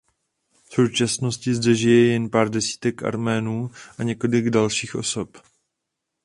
V současnosti zde žije jen pár desítek Arménů a několik dalších osob.